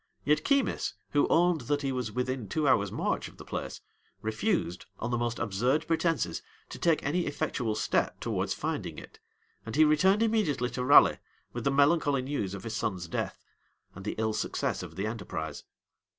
Yet Keymis, who owned that he was within two hours' march of the place, refused, on the most absurd pretences, to take any effectual step towards finding it; and he returned immediately to Raleigh, with the melancholy news of his son's death, and the ill success of the enterprise.